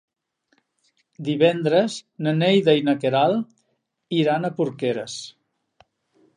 Divendres na Neida i na Queralt iran a Porqueres.